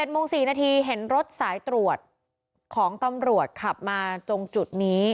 โมง๔นาทีเห็นรถสายตรวจของตำรวจขับมาตรงจุดนี้